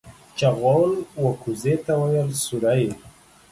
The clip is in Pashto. چغول و کوزې ته ويل سورۍ.